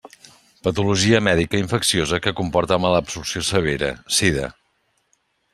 Patologia mèdica infecciosa que comporta malabsorció severa: sida.